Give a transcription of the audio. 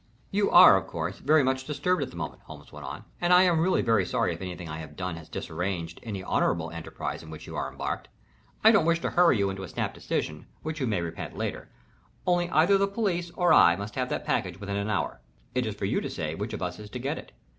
"You are, of course, very much disturbed at the moment," Holmes went on, "and I am really very sorry if anything I have done has disarranged any honorable enterprise in which you have embarked. I don't wish to hurry you into a snap decision, which you may repent later, only either the police or I must have that package within an hour. It is for you to say which of us is to get it.